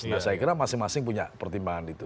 nah saya kira masing masing punya pertimbangan itu